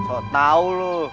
oh tau lo